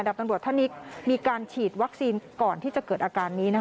ตำรวจท่านนี้มีการฉีดวัคซีนก่อนที่จะเกิดอาการนี้นะคะ